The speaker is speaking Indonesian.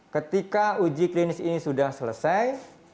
ketika uji klinis ini sudah selesai